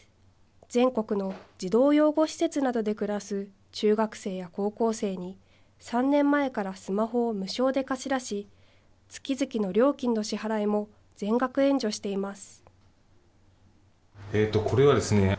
全国の児童養護施設などで暮らす中学生や高校生に、３年前からスマホを無償で貸し出し、月々の料金の支払いも全額援助しています。